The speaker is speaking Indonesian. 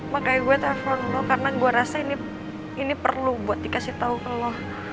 makanya gue telepon lu karena gue rasa ini perlu buat dikasih tau ke lo